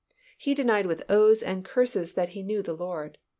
He denied with oaths and curses that he knew the Lord.